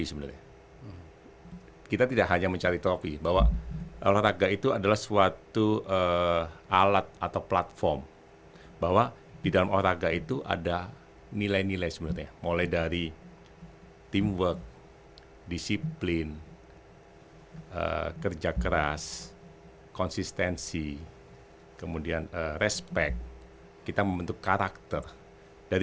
semua orang mempunyai kepentingan